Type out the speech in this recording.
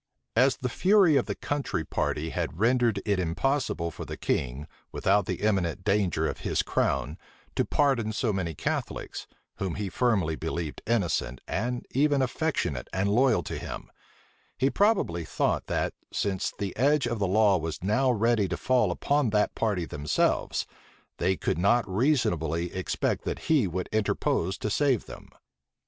As the fury of the country party had rendered it impossible for the king, without the imminent danger of his crown, to pardon so many Catholics, whom he firmly believed innocent, and even affectionate and loyal to him, he probably thought that, since the edge of the law was now ready to fall upon that party themselves, they could not reasonably expect that he would interpose to save them.